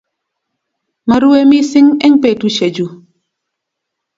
Marue missing' eng petusyechu.